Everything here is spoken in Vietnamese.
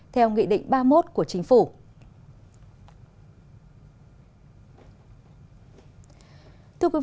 theo nghị định ba mươi một của chính phủ